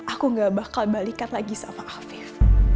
aku gak bakal balikan lagi sama afif